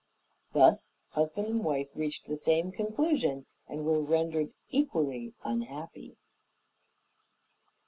Thus husband and wife reached the same, conclusion and were rendered equally unhappy.